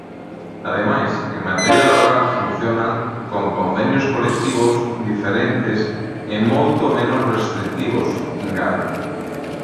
Ademais, en materia laboral funcionan con convenios colectivos diferentes e moito menos restritivos, engade.